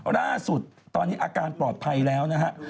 ล่าสุดตอนนี้อาการปลอดภัยแล้วนะฮะ